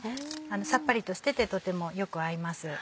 さっぱりとしててとてもよく合います。